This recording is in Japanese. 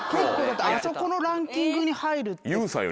あそこのランキングに入るって。